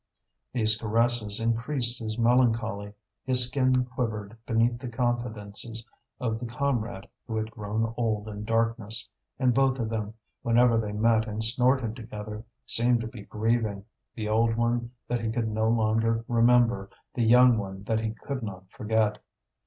These caresses increased his melancholy, his skin quivered beneath the confidences of the comrade who had grown old in darkness; and both of them, whenever they met and snorted together, seemed to be grieving, the old one that he could no longer remember, the young one that he could not forget.